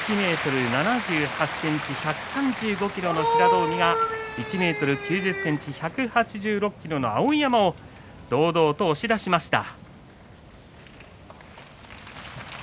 １ｍ７８ｃｍ１３５ｋｇの平戸海が１ｍ９０ｃｍ１８６ｋｇの碧山を堂々と押し出しました。